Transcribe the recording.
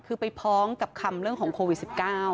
คือไปพ้องกับคำเรื่องของโควิด๑๙